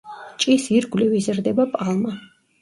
ჭის ირგვლივ იზრდება პალმა.